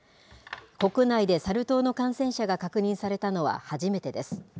国内でサル痘の感染者が確認されたのは初めてです。